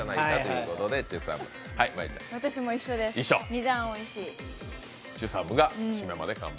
私も一緒です、２段おいしい。